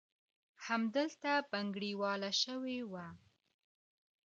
همدلته بنګړیواله شوې وه.